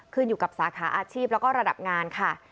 ขึ้นอยู่กับสาขาอาชีพแล้วก็ระดับงานค่ะ